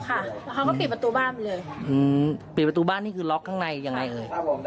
แล้วเขาก็ปิดประตูบ้านไปเลยปิดประตูบ้านนี่คือล็อกข้างในยังไงเอ่ย